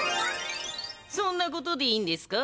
そんなことでいいんですか？